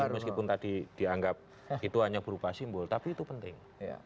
meskipun tadi dianggap itu hanya berupa simbol tapi itu penting